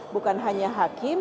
bukan hanya hakim